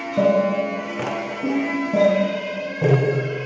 สวัสดีครับทุกคน